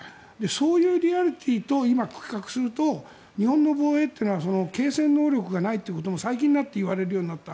そういうリアリティーと今、比較すると日本の防衛は継戦能力がないということも最近になって言われるようになった。